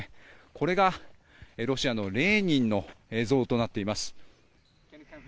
これがロシアのレーニンの像となっています。